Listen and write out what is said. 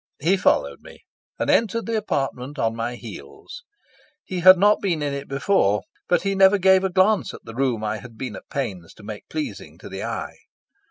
He followed me, and entered the apartment on my heels. He had not been in it before, but he never gave a glance at the room I had been at pains to make pleasing to the eye.